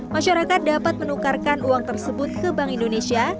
masyarakat dapat menukarkan uang tersebut ke bank indonesia